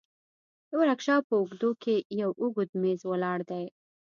د ورکشاپ په اوږدو کښې يو اوږد مېز ولاړ دى.